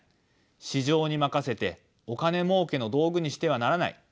市場に任せてお金もうけの道具にしてはならない。